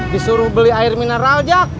disuruh beli air mineral jak